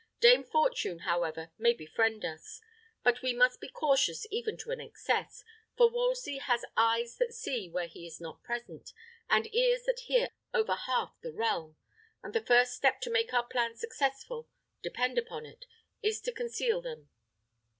Dame Fortune, however, may befriend us; but we must be cautious even to an excess, for Wolsey has eyes that see where he is not present, and ears that hear over half the realm, and the first step to make our plans successful, depend upon it, is to conceal them.